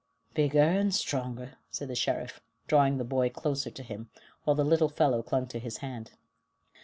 "Bigger and stronger," said the Sheriff, drawing the boy closer to him, while the little fellow clung to his hand.